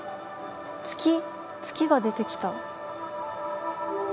月月が出てきた。